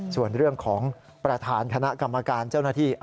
ส่วนเรื่องของประธานคณะกรรมการเจ้าหน้าที่